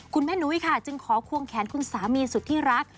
คุณแม่นุ้ยค่ะจึงขอควงแขนคุณสามีสุดที่รัก